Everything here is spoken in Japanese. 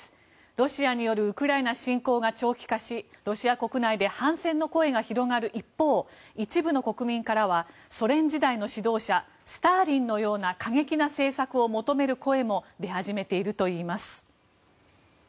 ロシアによるウクライナ侵攻が長期化しロシア国内で反戦の声が広がる一方一部の国民からはソ連時代の指導者スターリンのような過激な政策を求める声も出始めているといいます。